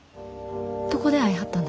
どこで会いはったんだす？